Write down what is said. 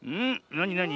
なになに？